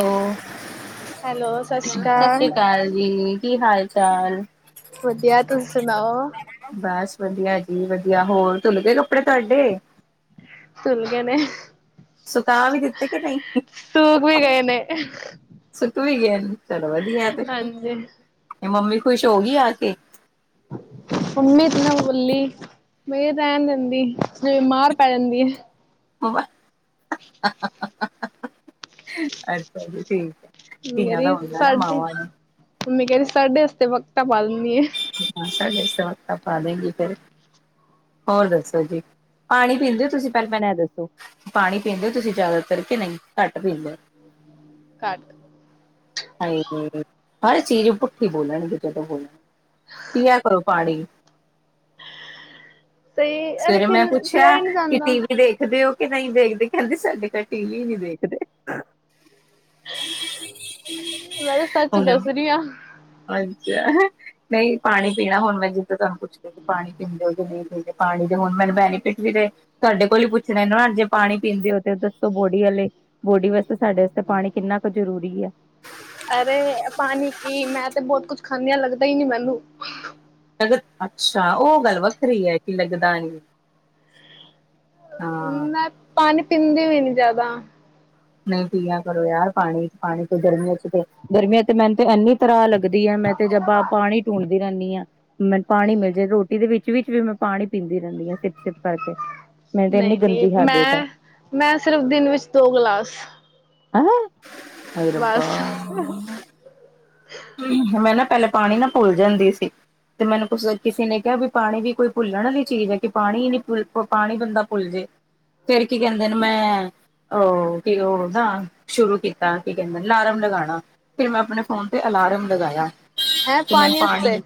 ਓ ਸਤਿ ਸ੍ਰੀ ਅਕਾਲ ਜੀ ਕੀ ਹਾਲ ਚਾਲ ਵਧੀਆ ਤੁਸੀ ਸੁਣਾਓ ਬਸ ਵਧੀਆ ਜੀ ਵਧੀਆ ਹੋਰ ਧੁਲ ਗਏ ਕੱਪੜੇ ਤੁਹਾਡੇ ਧੁਲ ਗਏ ਨੇ ਸੁਕਾ ਵੀ ਦਿੱਤੇ ਕਿ ਨਹੀਂ, ਸੂਖ ਵੀ ਗਏ ਨੇ ਸੁੱਕ ਵੀ ਗਏ ਚਲੋ ਵਧੀਆ ਤੇ, ਹਾਂਜੀ ਮੰਮੀ ਖੁਸ਼ ਹੋ ਗਈ ਆ ਕੇ। ਮੰਮੀ ਤ ਨਾ ਬੋਲੀ ਨਹੀਂ ਰਹਿਣ ਦਿੰਦੀ, ਨੀ ਤੇ ਮਾਰ ਪੈ ਜਾਂਦੀ ਹੈ। ਅੱਛਾ ਜੀ ਠੀਕ ਹੈ। ਮੰਮੀ ਕਹਿ ਧੀਆਂ ਦਾ ਰਹੀ ਹੁੰਦਾ ਨਾ ਸਾਡੇ, ਮਾਵਾਂ ਨੂੰ, ਮੰਮੀ ਕਹਿ ਰਹੀ ਸਾਡੇ ਵਾਸਤੇ ਵਕਤਾਂ ਪਾ ਦਿੰਦੀ ਆ [unintelligible] ਹੋਰ ਦੱਸੋ ਜੀ। ਪਾਣੀ ਪੀਂਦੇ ਹੋ ਤੁਸੀਂ, ਪਹਿਲਾ ਮੈਨੂੰ ਇਹ ਦੱਸੋ, ਪਾਣੀ ਪੀਂਦੇ ਹੋ ਤੁਸੀਂ ਜ਼ਿਆਦਾਤਰ ਕੇ ਨਹੀਂ, ਘੱਟ ਪੀਂਦੇ ਓ। ਘੱਟ ਹ ਹਰ ਚੀਜ਼ ਪੁੱਠੀ ਬੋਲਣਗੇ ਜਦੋਂ ਬੋਲਣਗੇ, ਪੀਆ ਕਰੋ ਪਾਣੀ। ਸਹੀ ਅਰੇ ਸਵੇਰੇ ਪੀ ਮੈਂ ਪਿਆ ਪੁੱਛਿਆ, ਹੀ ਨਹੀਂ ਕਿ ਜਾਂਦਾ ਟੀ ਵੀ ਦੇਖਦੇ ਹੋ? ਕੇ ਨਹੀਂ ਦੇਖਦੇ, ਕਹਿੰਦੇ ਸਾਡੇ ਘਰ ਟੀ ਵੀ ਨਹੀਂ ਦੇਖਦੇ। [inaudible] ਮੈਂ ਤਾਂ ਸੱਚ ਹੁਣੇ ਦੱਸ ਰਹੀ ਹਾਂ। ਅੱਛਾ, ਨਹੀਂ ਪਾਣੀ ਪੀਣਾ ਹੁਣ ਮੈਂ ਜਿੱਦਾਂ ਤੁਹਾਨੂੰ ਪੁੱਛਦਾ ਪਾਣੀ ਪੀਂਦੇ ਹੋ ਕੇ ਨਹੀਂ ਪੀਦੇਂ। ਪਾਣੀ ਦੇ ਹੁਣ ਮੈਨੂੰ ਬੈਨੀਫਿਟ ਵੀ ਰਹੇ। ਤੁਹਾਡੇ ਕੋਲ ਹੀ ਪੁੱਛਣਾ ਨਾ, ਜੇ ਪਾਣੀ ਪੀਂਦੇ ਹੋ, ਤੇ ਦੱਸੋ ਬੋਡੀ ਵਾਲੇ ਬੋਡੀ ਵਾਸਤੇ, ਸਾਡੇ ਵਾਸਤੇ ਪਾਣੀ ਕਿੰਨਾ ਕੁ ਜ਼ਰੂਰੀ ਹੈ ਅਰੇ ਪਾਣੀ ਕੀ, ਮੈਂ ਤੇ ਬਹੁਤ ਕੁਛ ਖਾਂਦੀ ਹਾਂ ਲੱਗਦਾ ਹੀ ਨੀ ਮੈਨੂੰ ਅੱਛਾ, ਉਹ ਗੱਲ ਵੱਖਰੀ ਹੈ ਕਿ ਲੱਗਦਾ ਨੀ ਹਾਂ ਮੈੰ ਪਾਣੀ ਪੀਂਦੀ ਵੀ ਨੀ ਜਿਆਦਾ ਨਹੀਂ ਪੀਆਂ ਕਰੋ ਯਾਰ, ਪਾਣੀ 'ਚ ਪਾਣੀ ਤੇ ਗਰਮੀਆਂ 'ਚ ਤੇ ਗਰਮੀਆਂ ਤੇ ਮੈਨੂੰ ਤੇ ਇੰਨੀ ਤਰ੍ਹਾਂ ਲੱ ਲਗਦੀ ਆ ਮੈਂ ਤੇ ਜ ਆਪਾਂ ਪਾਣੀ ਟੂੰਣਦੀ ਰਹਿੰਦੀ ਹਾਂ ਮੈਨੂੰ ਪਾਣੀ ਮਿਲ ਜਾਏ, ਰੋਟੀ ਦੇ ਵਿੱਚ -ਵਿਚ ਵੀ ਮੈਂ ਪਾਣੀ ਪੀਂਦੀ ਰਹਿੰਦੀ ਹਾਂ, ਸਿਪ- ਸਿਪ ਕਰਕੇ। ਮੇਰੀ ਤੇ ਇੰਨੀ ਨਹੀਂ ਨਹੀਂ ਗੰਦੀ ਹੈਬਿਟ ਹੈ। ਮੈਂ ਮੈਂ ਸਿਰਫ ਦਿਨ ਵਿੱਚ ਦੋ ਗਲਾਸ। ਹੈੰ ਹਾਏ ਰਬਾ ਬਸ ਮੈਂ ਨਾ, ਪਹਿਲੇ ਪਾਣੀ ਨਾ ਭੁੱਲ ਜਾਂਦੀ ਸੀ। ਤੇ ਮੈਨੂੰ ਕੁਛ ਕਿਸੇ ਨੇ ਕਿਹਾ, ਬਾਈ ਪਾਣੀ ਵੀ ਕੋਈ ਭੁੱਲਣ ਵਾਲੀ ਚੀਜ਼ ਹੈ, ਕਿ ਪਾਣੀ ਨਹੀਂ ਭ ਪ ਪਾਣੀ ਬੰਦਾ ਭੁੱਲ ਜੇ। ਫ਼ਿਰ ਕੀ ਕਹਿੰਦੇ ਨੇ ਮੈਂ। ਉਹ ਕੀ ਉਹ ਨਾ, ਸ਼ੁਰੂ ਕੀਤਾ ਕੀ ਕਹਿੰਦੇ ਨੇ ਲਾਰਮ ਲਗਾਣਾ, ਫਿਰ ਮੈਂ ਆਪਣੇ ਫੋਨ ਫ਼ਿਰ ਅਲਾਰਮ ਲਗਾਇਆ, ਹੈਂ ਤੇ ਮੈਂ ਵਾਸਤੇ ਪਾਣੀ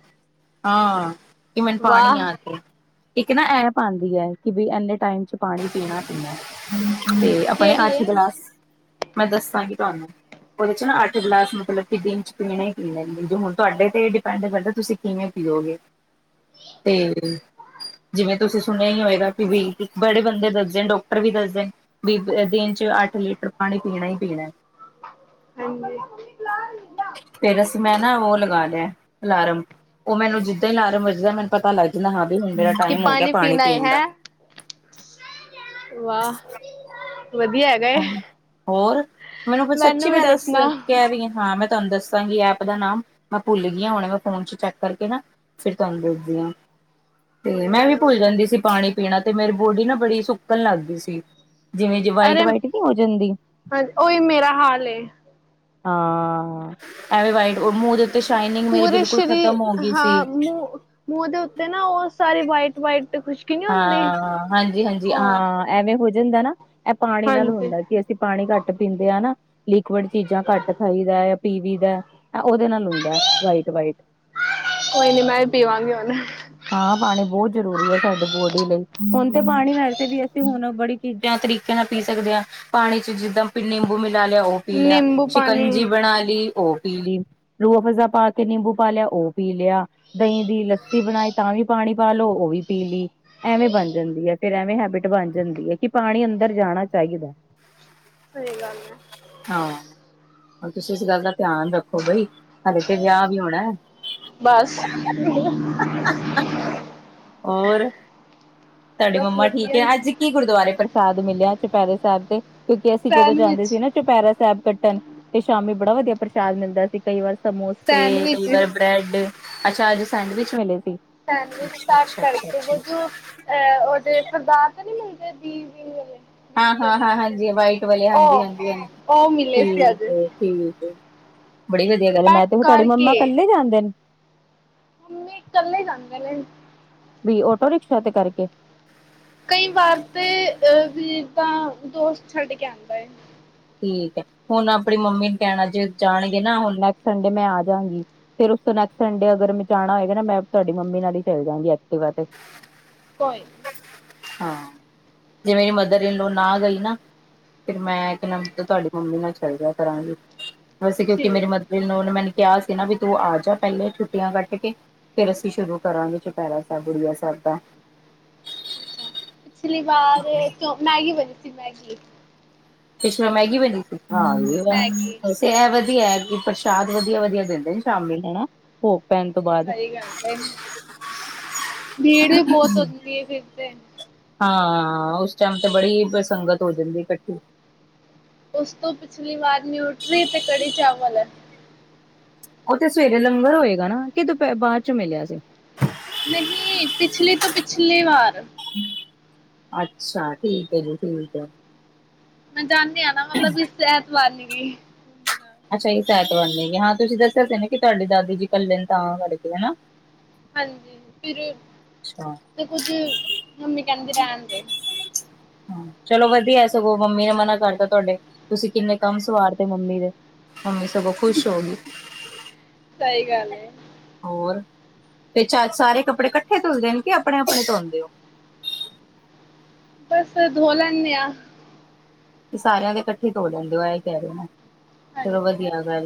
ਹਾਂ। ਕੀ ਮੈਨੂੰ ਪਾਣੀ ਵਾਹ ਆ ਕੇ, ਇਕ ਨਾ ਐਪ ਆਉਂਦੀ ਹੈ, ਕਿ ਬਾਈ ਇੰਨੇ ਟਾਈਮ 'ਚ ਪਾਣੀ ਪੀਣਾ ਪੀਣਾ ਐ। ਤੇ ਆਪਣੇ ਕਿਹੜੀ ਏ ਅੱਠ ਗਲਾਸ। ਮੈਂ ਦੱਸਾਂਗੀ ਤੁਹਾਨੂੰ, ਉਹਦੇ 'ਚ ਨਾ ਅੱਠ ਗਲਾਸ ਮਤਲਬ ਕਿ ਦਿਨ 'ਚ ਪੀਣੇ ਹੀ ਪੀਣੇ, ਜੋ ਹੁਣ ਤੁਹਾਡੇ ਤੇ ਡਿਪੈਂਡ ਕਰਦਾ ਤੁਸੀਂ ਕਿਵੇਂ ਪੀਓਗੇ। ਤੇ। ਜਿਵੇਂ ਤੁਸੀਂ ਸੁਣਿਆਂ ਹੀ ਹੋਏਗਾ। ਵੀ ਬੜੇ ਬੰਦੇ ਦੱਸਦੇ ਡਾਕਟਰ ਵੀ ਦੱਸ ਦੇਣ। ਵੀ। ਦਿਨ ਚ ਅੱਠ ਲੀਟਰ ਪਾਣੀ ਪੀਣਾ ਹੀ ਪੀਣਾ। ਹਾਂਜੀ। ਫੇਰਸ। ਮੈਂ ਨਾਂ ਉਹ ਲਗਾ ਲਿਆ ਅਲਾਰਮ। ਉਹ ਮੈਨੂੰ ਜਿੱਦਾਂ ਹੀ ਅਲਾਰਮ ਵੱਜਦਾ। ਮੈਨੂੰ ਪਤਾ ਲੱਗਦਾ ਬਈ ਹੁਣ ਮੇਰਾ ਕਿ ਟਾਈਮ ਹੋ ਗਿਆ। ਪਾਣੀ ਪੀਣਾ ਏ ਪੀਣ ਦਾ। ਹੈਂ [unintelligible] ਏ ਹੋਰ ਮੈਨੂੰ ਫੇਰ ਸੱਚੀ। ਵੀ ਮੈਂ ਦੱਸ ਦੱਸਣਾ ਕਹਿ ਰਹੀ ਹਾਂ ਮੈਂ ਤੁਹਾਨੂੰ ਦੱਸ। ਦੱਸਾਂਗੀ ਐਪ ਦਾ ਨਾਮ। ਮੈਂ ਭੁੱਲ ਗਈ ਹੁਣੇ ਮੈ ਫੋਨ ਚ ਚੈੱਕ ਕਰਕੇ ਨਾ। ਫਿਰ ਤੁਹਾਨੂੰ ਦੱਸਦੀ ਹਾਂ। ਤੇ ਕੋਈ ਨੀ ਮੈਂ ਵੀ ਮੈਨੂੰ ਭੁੱਲ ਜਾਂਦੀ ਸੀ। ਦੱਸਣਾ ਪਾਣੀ ਪੀਣਾ ਤੇ ਮੇਰੀ ਬੋਡੀ ਨਾਂ ਬੜੀ ਸੁੱਕਣ ਲੱਗ ਗਈ ਸੀ। ਜਿਵੇਂ ਜੀ ਵਾਈਟ ਵਾਈਟ। ਨੀ ਹੋ ਜਾਂਦੀ ਹਾਂਜੀ। ਉਹੀ ਮੇਰਾ ਹਾਲ। ਹਾਂ ਐਵੇਂ ਵਾਈਟ ਮੂੰਹ ਦੇ ਉੱਤੇ ਸ਼ਾਈਨਿੰਗ। ਮੇਰੀ ਪੂਰੇ ਬਿਲਕੁਲ ਖ਼ਤਮ ਹੋ ਸਰੀਰ ਗਈ ਸੀ। ਹਾਂ ਮੂੰਹ ਮੂੰਹ ਦੇ ਉੱਤੇ ਨਾਂ। ਉਹ ਸਾਰੀ ਵਾਈਟ ਵਾਈਟ ਖੁਸ਼। ਹਾਂ ਹਾਂਜੀ ਹਾਂਜੀ। ਹਾਂ ਐਵੇਂ ਹੋ ਜਾਂਦਾ ਨਾ। ਇਹ ਪਾਣੀ ਨਾਲ ਹਾਂਜੀ ਹੁੰਦਾ। ਅਸੀਂ ਪਾਣੀ ਘੱਟ ਪੀਂਦੇ ਹਾਂ। ਨਾਂ ਲੀਕੇਜ। ਚੀਜ਼ਾਂ ਘੱਟ ਖਾਈ ਦਾ। ਜਾਂ ਪੀਵ ਦਾ ਉਹਦੇ ਨਾਲ ਹੁੰਦਾ ਵਾਈਟ ਵਾਈਟ। ਕੋਈ ਨੀ। ਮੈਂ ਵੀ ਪੀਵਾਂਗੀ ਹੁਣ। ਹਾਂ ਪਾਣੀ ਬਹੁਤ ਜ਼ਰੂਰੀ ਹੈ। ਸਾਡੇ ਬੋਡੀ ਲਈ। ਹੁਣ ਤੇ ਪਾਣੀ ਵੈਸੇਂ ਵੀਂ ਅਸੀਂ ਹੁਣ ਬੜੀ ਚੀਜ਼ਾਂ ਤਰੀਕੇ ਨਾਲ ਪੀਂ ਸਕਦੇ ਹਾਂ। ਪਾਣੀ ਚ ਜਿੱਦਾਂ ਨਿੰਬੂ ਮਿਲਾ ਲਿਆਂ ਉਹ ਪੀ ਲਿਆਂ। ਨਿੰਬੂ ਪਾਣੀ ਸ਼ਿਕੰਜੀ ਬਣਾ ਲਈ ਉਹ ਪੀ ਲਈ। ਰੂਆ ਫਜ਼ਾ ਪਾ ਕੇ ਨਿੰਬੂ ਪਾ ਲਿਆ। ਉਹ ਪੀ ਲਿਆ। ਦਹੀਂ ਦੀ ਲੱਸੀ ਬਣਾਏ। ਤਾਂ ਵੀ ਪਾਣੀ ਪਾ ਲੋਓ ਉਹ ਵੀਂ। ਪੀਲੀ ਐਵੇਂ ਬਣ ਜਾਂਦੀ ਹੈ। ਫਿਰ ਐਵੇਂ ਹੈਬਿਟ ਬਣ ਜਾਂਦੀ ਹੈ। ਕਿ ਪਾਣੀ ਅੰਦਰ ਜਾਣਾ ਚਾਹੀਦਾ। ਸਹੀ ਗੱਲ [unintelligible] ਹੈ ਹਾਂ। ਤੁਸੀਂ ਇਸ ਗੱਲ ਦਾ ਧਿਆਨ ਰੱਖੋ ਬਈ। ਹਲੇ ਤੇ ਵਿਆਹ ਵੀ ਹੋਣਾ ਹੈ। ਬਸ। ਹੋਰ। ਤੁਹਾਡੀ ਬਸ ਮੰਮਾ ਠੀਕ ਵਧੀਆ ਹੈ। ਅੱਜ ਕੀ ਗੁਰਦੁਆਰੇ ਪ੍ਰਸ਼ਾਦ ਮਿਲਿਆ ਚੁਪਹਿਰੇ ਸਾਹਿਬ ਤੇਂ। ਕਿਉਂਕਿ ਅਸੀਂ ਜਦੋਂ ਸੈਂਡਵਿਚ ਜਾਂਦੇ ਸੀ। ਨਾਂ ਚੁਪਾਹਿਰਾ ਸਾਹਿਬ ਕੱਟਣ ਤੇ ਸ਼ਾਮੀ ਬੜਾ ਵਧੀਆ ਪ੍ਰਸ਼ਾਦ ਮਿਲਦਾ ਸੀ। ਕਈ ਵਾਰ ਸਮਮੋਸੇ ਸੈਂਡਵਿਚ ਕਈ ਵਾਰ। ਬ੍ਰੈਡ। ਅੱਛਾ ਅੱਜ ਸੈਂਡਵਿਚ ਮਿਲੇਂ ਸੀ। ਸੈਂਡਵਿਚ ਸਾਰਟ ਕਰਕੇ ਵਜੋਂ। ਆਹ ਉਹਦੇ ਸਰਦਾਰ ਤੇ ਨੀ ਮਿਲਦੇ। ਦੀ ਵੀ ਮਦੇ। ਹਾਂ ਹਾਂ ਹਾਂ ਹਾਂਜੀ। ਵਾਈਟ ਵਾਲੇ ਹਾਂਜੀ ਉਹ ਹਾਂਜੀ। ਉਹ ਮਿਲੇ ਸੀ ਠੀਕ। ਅੱਜ ਠੀਕ। ਬੜੀ ਵਧੀਆ ਗੱਲ। ਮੈਂ ਪੈਕ ਤੇ ਹੁਣ ਤੁਹਾਡੀੇ ਮੰਮਾ ਕਰਕੇ ਕੱਲੇ ਜਾਂਦੇ ਨੇ। ਮੰਮੀ ਕੱਲੇ ਜਾਂਦੇ ਨੇ। ਵੀ ਓਟੋ ਰਿਕਸ਼ਾ ਤੇ ਕਰਕੇ। ਕਈ ਵਾਰ ਤੇ ਆਂ। ਵੀਰ ਤਾਂ ਦੋਸਤ ਛੱਡ ਕੇ ਆਉਂਦਾ। ਠੀਕ ਹੈ। ਹੁਣ ਆਪਣੀ ਮੰਮੀ ਨੂੰ ਕਹਿਣਾ। ਜੇ ਜਾਣਗੇਂ ਨਾਂ ਹੁਣ ਨੈਕਸ਼ਟ ਸੰਡੇ ਮੈਂ ਆਂ ਜਾਂਗੀ। ਫਿਰ ਉਸ ਨੈਕਸ਼ਟ ਸੰਡੇ ਅਗਰ ਜਾਣਾ ਹੋਏਗਾ ਨਾਂ ਮੈਂ ਤੁਹਾਡੀ ਮੰਮੀ ਨਾਲ ਹੀ ਚੱਲ ਜਾਵਾਂਗੀ ਐਕਟਿਵਾ ਤੇ। ਕੋਈ ਨਾ। ਹਾਂ। ਜੇ ਮੇਰੀ ਮਦਰਇਨਲਾਵ ਨਾਂ ਗਈ ਨਾਂ ਫਿਰ ਮੈਂ। ਤੁਹਾਡੀ ਮੰਮੀ ਨਾਲ ਚੱਲ ਜਿਆ ਕਰਾਂਗੇ। ਵੈਸੇਂ ਕਿਉਂਕਿ ਠੀਕ ਮੇਰੇ ਮਦਰ ਉਹਨੇ ਮੈਨੂੰ। ਕਿਹਾ ਸੀ। ਨਾਂ ਵੀ ਤੂੰ ਆ ਜਾਂ ਪਹਿਲੇ ਛੁੱਟੀਆਂ ਕੱਟ ਕੇ। ਫੇਰ ਅਸੀਂ ਸ਼ੁਰੂ ਕਰਾਂਗੇ। ਚੁਪਹਿਰਾ ਸਾਹਿਬ ਬੁੜੀ ਸਾਹਿਬ ਦਾ। ਪਿਛਲੀ ਵਾਰ ਮੈਂਗੀ ਬਣੀ ਸੀ। ਮੈਂ ਪਿਛਲੀ ਵਾਰ ਮੈਗੀ ਬੀ ਸੀ। ਮੈਗੀ ਤੇ ਇਹ ਵਧੀਆ ਹੈ। ਕਿ ਪ੍ਰਸ਼ਾਦ ਵਧੀਆ ਵਧੀਆ ਦਿੰਦੀਆਂ ਸ਼ਾਮ ਵੇਲੇ ਹਨਾ। ਭੋਗ ਪੈਣ ਤੋਂ ਬਾਦ ਸਹੀ ਗਲ ਏ, ਡ ਭੀੜ ਵੀ ਬਹੁਤ ਹੁੰਦੀ ਫਿਰ ਤੇ ਹਾਂ, ਉਸ ਟਾਈਮ ਤੇ ਬੜੀ ਸੰੰਗਤ ਹੋ ਜਾਂਦੀ ਇਕੱਠੀ ਉਸ ਤੋਂ ਪਿਛਲੀ ਵਾਰ ਨਿਊਟਰੀ ਅਤੇ ਕੜੀ ਚਾਵਲ ਹੈ ਉਹ ਤੇੇ ਸਵੇਰੇ ਲੰਗਰ ਹੋਏਗਾ ਨਾ, ਕਿ ਦਪ ਬਾਅਦ ਚ ਮਿਲਿਆ ਸੀ ਨਹੀਂ, ਪਿਛਲੀ ਤੋਂ ਪਿਛਲੀ ਵਾਰ ਅੱਛਾ, ਠੀਕ ਹੈ ਜੀ ਠੀਕ ਹੈ ਮੈਂ ਜਾਂਦੀ ਹਾਂ ਨਾ ਮਤਲਬ, ਵੀ ਇਸ ਐਤਵਾਰ ਨੀ ਗੀ। ਅੱਛਾ ਇਸ ਐਤਵਾਰ ਨਈ ਗੇ, ਹਾਂ ਤੁਸੀਂ ਦੱਸਿਆ ਸੀ ਨਾ ਕਿ ਤੁਹਾਡੀ ਦਾਦੀ ਜੀ ਇਕੱਲੇ ਨੇ ਤਾਂ ਕਰਕੇ ਹਨਾ ਹਾਂਜੀ, ਫਿਰ ਅੱਛਾ। ਤੇ ਕੁੱਝ ਮੰਮੀ ਕਹਿੰਦੀ ਰਹਿਣ ਦੇ ਚਲੋ ਵਧੀਆ ਸਗੋਂ, ਮੰਮੀ ਨੇ ਮਨਾ ਕਰਦਾ ਤੁਹਾਡੇ ਤੁਸੀਂ ਕਿੰਨੇ ਕੰਮ ਸਵਾਰ ਤੇ ਮੰਮੀ ਦੇ ਮੰਮੀ ਸਗੋਂ ਖੁਸ਼ ਹੋ ਗਈ ਸਹੀ ਗੱਲ ਏ ਹੋਰ, ਤੇ ਚਾ ਸਾਰੇ ਕੱਪੜੇ ਕੱਠੇ ਧੁਲਦੇ ਨੇ ਕਿ ਆਪਣੇ ਆਪਣੇ ਧੋਂਦੇ ਹੋ ਬਸ ਧੋ ਲੈਂਦੇ ਆ ਤੇ ਸਾਰਿਆਂ ਦੇ ਇਕੱਠੇ ਧੋ ਲੈਂਦੇ ਹੋ ਇਹ ਕਹਿ ਰਹੇ ਆ, ਹਾਂਜੀ ਚਲੋ ਵਧੀਆ ਹੋਰ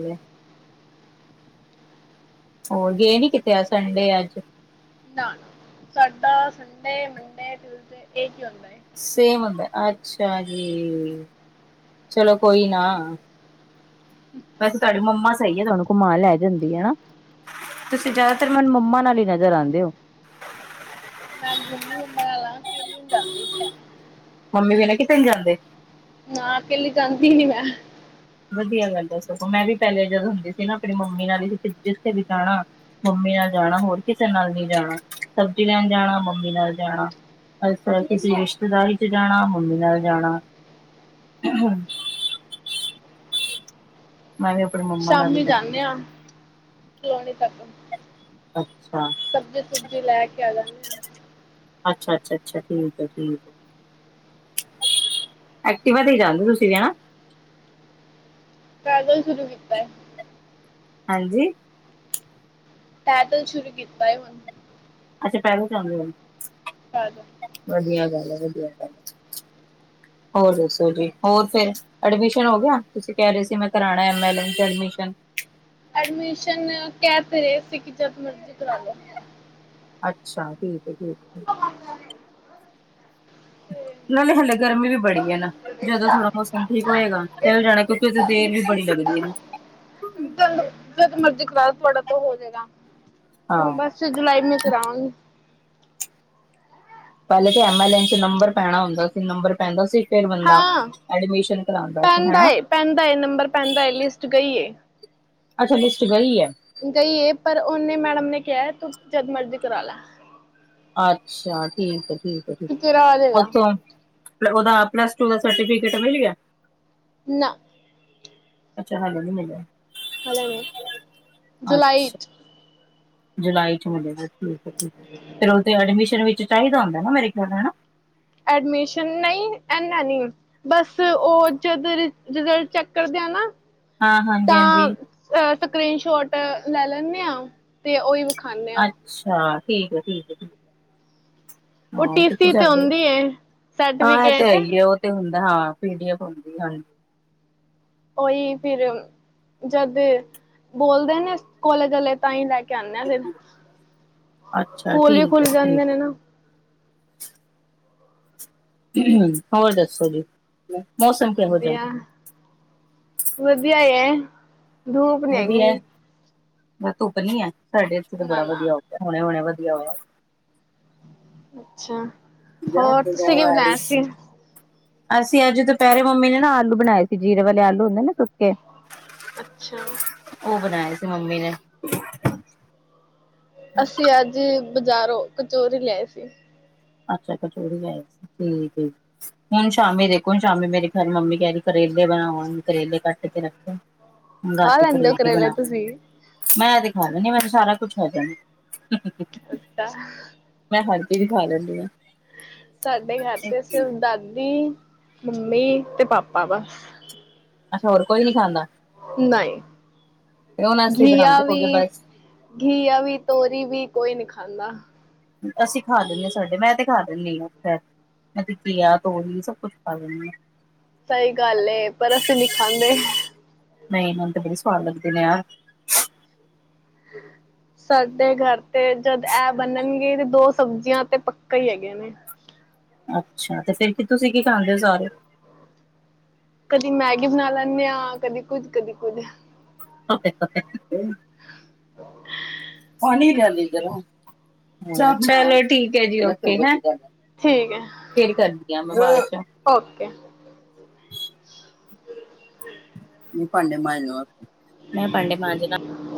ਗਏ ਨੀ ਕਿਤੇ, ਆ ਸੰਡੇ ਅੱਜ ਨਾ, ਸਾਡਾ ਸੰਡੇ ਮੰਡੇ ਟਿਊਜ਼ਡੇ ਇਕ ਹੀ ਹੁੰਦਾ ਹੈ- ਸੇਮ ਹੁੰਦਾ ਅੱਛਾ ਜੀ, ਚਲੋ ਕੋਈ ਨਾ ਵੈਸੇ ਤੁਹਾਡੀ ਮੰਮਾ ਸਹੀ ਹੈ ਤੁਹਾਨੂੰ ਘੁਮਾ ਲੈ ਜਾਂਦੀ ਹਨਾ, ਤੁਸੀਂ ਜਿਆਦਾਤਰ ਮੈਨੂੰ ਮੰਮਾ ਨਾਲ ਹੀ ਨਜ਼ਰ ਆਉਂਦੇ ਹੋ ਮੈਂ ਗੁੰਮੀ ਉਨਾਂ ਨਾਲ ਆ, ਕਲੀ ਨੀ ਜਾਂਦੀ- ਮੰਮੀ ਬਿਨਾ ਕਿਤੇੇ ਨੀ ਜਾਂਦੇ ਨਾ, ਕਲੀ ਜਾਂਦੀ ਨ ਮੈਂ ਵਧੀਆ ਗੱਲ ਏ ਸਗੋ, ਮੈਂ ਵੀ ਪਹਿਲੇ ਜਦੋਂ ਹੁੰਦੀ ਸੀ ਨਾ ਆਪਣੀ ਮੰਮੀ ਨਾਲ ਹੀ ਜਿੱਥੇ ਵੀ ਜਾਣਾ ਮੰਮੀ ਨਾਲ ਜਾਣਾ ਹੋਰ ਕਿਸੇ ਨਾਲ ਨਹੀਂੀ ਜਾਣਾ, ਸਬਜ਼ੀ ਲੈਣ ਜਾਣਾ ਮੰਮੀ ਨਾਲ ਜਾਣਾ ਅਛਾ, ਕਿਸੇ ਰਿਸ਼ਤੇਦਾਰੀ ਚ ਜਾਣਾ ਮੰਮੀ ਨਾਲ ਜਾਣਾ [unintelligible] ਮੈਂ ਵੀ ਆਪਣੀ ਮੰਮੀ ਨਾਲ ਹੀ ਸ਼ਾਮੀ ਜਾਣਾ। ਜਾਂਨੇ ਆ, ਕਲੋਨੀ ਤੱਕ। ਅੱਛਾ। ਸਬਜ਼ੀ ਸੁਬਜੀ ਲੈ ਕੇ ਆ ਜਾਂਦੇ ਆ। ਅੱਛਾ-ਅੱਛਾ, ਅੱਛਾ ਠੀਕ ਹੈ, ਠੀਕ ਹੈ। ਐਕਟੀਵਾ ਤੇ ਹੀ ਜਾਂਦੇ ਤੁਸੀਂ ਣਾ ਪੈਦਲ ਸ਼ੁਰੂ ਕੀਤਾ ਏ। ਹਾਂਜੀ। ਪੈਦਲ ਸ਼ੁਰੂ ਕੀਤਾ ਏ ਹੁਣ। ਅੱਛਾ, ਪੈਦਲ ਜਾਂਦੇ ਓ ਹੁਨ। [unintelligible] ਹਾਂਜੀ ਵਧੀਆ ਗੱਲ ਹੈ ਵਧੀਆ ਗੱਲ, ਹੋਰ ਦੱਸੋ ਜੀ ਹੋਰ ਫਿਰ ਐਡਮਿਸ਼ਨ ਹੋ ਗਿਆ, ਤੁਸੀਂ ਕਹਿ ਰਹੇ ਸੀ ਮੈਂ ਕਰਾਣਾ ਐਮ ਐਲ ਐਨ ਚ ਐਡਮਿਸ਼ਨ ਐਡਮਿਸ਼ਨ ਕਹਿ ਤੇ ਰਹੇ ਸੀ, ਜਦ ਮਰਜ਼ੀ ਕਰਾ ਲੋ ਅੱਛਾ, ਠੀਕ ਠੀਕ ਹੈ ਠੀਕ ਨਾਲੇ ਹਲੇ ਗਰਮੀ ਵੀ ਬੜੀ ਹੈ ਨਾ, ਜਦੋਂ ਥੋੜਾ ਮੋਸਮ ਠੀਕ ਹੋਏਗਾ ਚੱਲ ਜਾਣਾ, ਕਿਉਂਕਿ ਉੱਥੇ ਦੇਰ ਵੀ ਬੜੀ ਲੱਗਦੀ ਨਾ ਤੁਹਾਨੂੰ- ਜਦ ਮਰਜ਼ੀ ਕਰਾ ਤੁਹਾਡਾ ਤਾਂ ਹੋ ਜਾਏਗਾ, ਹ ਹਾਂ ਬਸ ਜੁਲਾਈ ਮੈਂ ਕਰਾਵਾਂਗੀ ਪਹਿਲੇ ਤੇ ਐਮ ਐਲ ਨ ਚ ਨੰਬਰ ਪੈਣਾ ਹੁੰਦਾ ਸੀ ਨੰਬਰ ਪੈਂਦਾ ਸੀ ਫਿਰ ਬੰਦਾ ਹਾਂ ਐਡਮਿਸ਼ਨ ਕਰਉਂਦਾ ਸੀ, ਪੈਂਦਾ ਹਨਾ ਹੈ ਪੈਂਦਾ ਏ ਨੰਬਰ ਪੈਂਦਾ ਏ ਲਿਸਟ ਗਈ ਏ ਅੱਛਾ, ਲਿਸਟ ਗੀ ਹੈ ਗਈ ਏ, ਪਰ ਉਨੇ ਮੈਡਮ ਨੇ ਕਿਹਾ ਤੂੰ ਜਦ ਮਰਜ਼ੀ ਕਰਾ ਲੈ। ਆਛਾ, ਠੀਕ ਐ, ਠੀਕ ਐ ਠੀਕ, ਕਿ ਤੇਰਾ ਆ ਜਾਏਗਾ ਪਤਾ ਓਦਾ ਆਪਣਾ ਪਲੱਸ ਟੂ ਦਾ ਸਰਟੀਫਿਕੇਟ ਮਿਲ ਗਿਆ? ਨਾ। ਅੱਛਾ, ਹਲੇ ਨੀ ਮਿਲਿਆ। ਹਲੇ ਣੇ, ਜੁਲਾਈ ਅੱਛਾ ਚ। ਜੁਲਾਈ ਚ ਮਿਲੇਗਾ ਠੀਕ ਐ, ਠੀਕ ਐ, ਫਿਰ ਉਦੇ ਐਡਮਿਸ਼ਨ ਵਿੱਚ ਚਾਹੀਦਾ ਹੁੰਦਾ ਨਾ ਮੇਰੇ ਖਿਆਲ ਹਨਾ। ਐਡਮਿਸ਼ਨ ਨਈ ਏਨ ਅ ਨੀ। ਬਸ, ਉਹ ਜਦ ਰਿਜਲਟ ਚੈੱਕ ਕਰਦੇ ਆ ਨਾ। ਹਾਂ ਹਾਂਜੀ ਤਾਂ, ਹਾਂਜੀ ਅ ਸਕਰੀਨ ਸ਼ੋਟ ਲੈ ਲੈਂਨੇ ਆ। ਤੇ ਉਹੀ ਵਖਾਨੇ ਆ। ਅੱਛਾ। ਠੀਕ ਏ, ਠੀਕ ਏ, ਠੀਕ। ਉਹ ਹਾਂ। ਤੁ ਟੀਸੀ ਤੇ ਸਾਡੇ, ਹੁੰਦੀ ਏ ਹਾਂ ਇਹ ਤੇ ਹੈ ਸਰਟੀਫਿਕੇਟ ਹੀ ਆ। ਹੁੰਣ ਤਾ ਹਾਂ, ਪੀ ਡੀ ਐਫ ਹੁੰਦੀ ਹਾਂਜੀ। ਓਹੀ ਫਿਰ, ਜਦ ਬੋਲਦੇ ਨੇ ਕੋਲੇ ਗਲੇ। ਤਾਂ ਹੀ ਲੈ ਕੇ ਆਨੇ ਆ ਫਿਰ, ਅੱਛਾ ਸਕੂਲ ਵੀ ਠੀਕ ਖੁੱਲ ਹੈ ਜਾਂਦੇ ਠੀਕ ਨੇ ਨਾ। ਹੋਰ, ਦੱਸੋ ਜੀ। ਮੌਸਮ? ਕਿਹੋ ਜਿਹਾ ਵਧੀਆ, ਵਧੀਆ ਈ ਐ। ਵਧੀਆ, ਧੁੱਪ ਨੀ ਆ, ਸਾਡੇ ਇੱਥੇ ਤੇ ਨਾ ਬੜਾ ਨਾ ਵਧੀਆ ਹੋ ਗਿਆ, ਹਣੇ ਹੁਣੇ ਵਧੀਆ ਹੋਇਆ। ਅੱਛਾ। ਹੋਰ ਤੁਸੀਂ [unintelligible] ਕੀ ਬਣਾਇਆ ਸੀ [unintelligible] ਅਸੀਂ ਅੱਜ, ਦੁਪਹਿਰੇ ਮੰਮੀ ਨੇ ਨਾ ਆਲੂ ਬਣਾਏ ਸੀ ਜੀਰੇ ਵਾਲੇ ਆਲੂ ਹੁੰਦੇ ਨਾ ਸੁੱਕੇ। ਅੱਛਾ। ਉਹ ਬਣਾਏ ਸੀ, ਮੰਮੀ ਨੇ। ਅਸੀਂ, ਅੱਜ ਬਜ਼ਾਰੋਂ ਕਚੋਰੀ ਲਿਆਏ ਸੀ। ਅੱਛਾ। ਕਚੋਰੀ ਲਿਆਏ ਸੀ, ਠੀਕ ਏ ਜੀ। ਹੁਣ ਸ਼ਾਮੀ ਦੇਖੋ, ਸ਼ਾਮੀ ਮੇਰੀ ਮੰਮੀ ਕਹਿਰੀ ਕਰੇਲੇ ਬਣਾਵਾ ਗੀ ਕਰੇਲੇ ਕੱਟ ਕੇ ਰੱਖੋ। ਹੁਣ ਖਾ ਰਾਤੀ ਲੈਂਦੇ ਹੋ ਕਰੇਲੇ ਬਣਾ ਤੁਸੀਂ ਮੈਂ ਤੇ ਖਾ ਲੇਣੀ ਆ ਮੈ ਤੇ ਸਾਰਾ ਕੁਛ ਹ ਅੱਛਾ [unintelligible] ਮੈਂ ਹਰ ਚੀਜ ਖਾ ਲੈਂਦੀ ਹਾਂ। ਸਾਡੇ ਘਰ ਤੇ ਸਿਰਫ ਦਾਦੀ, ਮੰਮੀ ਤੇ ਪਾਪਾ ਵਾ। ਅੱਛਾ, ਹੋਰ ਕੋਈ ਨੀ ਖਾਂਦਾ? ਨਹੀ, ਫਿਰ ਹੁਣ ਅਸੀਂ ਘਿਆ ਬਣਾਉਂਦੇ ਹੋਗੇ ਵੀ ਬਸ ਘੀਆ ਵੀ, ਤੋਰੀ ਵੀ ਕੋਈ ਨੀ ਖਾਂਦਾ। ਅਸੀਂ ਖਾ ਲਿੰਦੇ ਹਾਂ ਸਾਡੇ, ਮੈਂ ਤੇ ਖਾ ਦਿੰਦੀ ਹਾਂ ਉ ਅਸੀ ਘਿਆ, ਤੋਰੀ ਸਭ ਕੁੱਛ ਖਾ ਲੈਨੇ ਆ। ਸਹੀ ਗੱਲ ਏ, ਪਰ ਅਸੀਂ ਨੀ ਖਾਂਦੇ। ਨਹੀਂ ਮੇਨ ਤੇ ਬੜੀ ਸਵਾਦ ਲੱਗਦੇ ਨੇ ਯਾਰ। [inaudible] [inaudible] ਸਾਡੇ ਘਰ ਤੇ, ਜਦ ਇਹ ਬਨਨਗੇ ਤੇ ਦੋ ਸਬਜ਼ੀਆਂ ਤੇ ਪੱਕਾ ਈ ਹੈਗੀਆ ਨੇ। ਅੱਛਾ, ਤੇ ਫਿਰ ਕੀ ਤੁਸੀਂ ਕੀ ਖਾਂਦੇ ਹੋ? ਸਾਰੇ। ਕਦੀ, ਮੈਗੀ ਬਣਾ ਲੈਂਨੇ ਆ। ਕਦੀ ਕੁੱਝ, ਕਦੀ ਕੁੱਝ। ਪਾਨੀ ਲਿਆਨੀ ਗਰਮ। [unintelligible] ਚਲੋ, ਠੀਕ ਹੈ ਜੀ ਓਕੇ ਹੈ, ਠੀਕ ਹੈ ਫੇਰ ਕਰਦੀ ਆ ਮੈਂ ਬਾਦ ਚ। ਓਕੇ। ਭਾਂਡੇ ਮਾਂਜ ਲਵਾ। ਮੈਂ ਭਾਂਡੇ [inaudible] ਮਾਂਜਣਾ [inaudible]